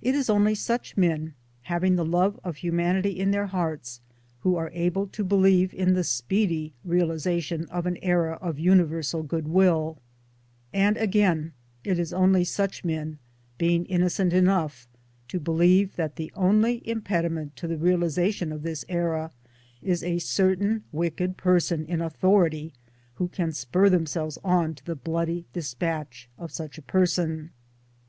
It is only such men having the love of humanity in their hearts who are able to believe in the speedy realization of an era of universal goodwill ; and again it is only such men being innocent enough to believe that the only impediment to the realiza tion of this era is a certain wicked person in ' authority 'who can spur themselves on to the bloody dispatch of such person.